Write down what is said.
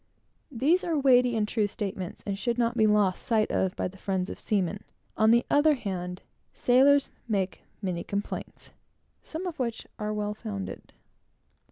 These are weighty and true statements, and should not be lost sight of by the friends of seamen. On the other hand, sailors make many complaints, some of which are well founded.